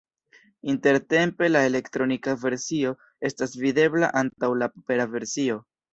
Intertempe la elektronika versio estas videbla antaŭ la papera versio.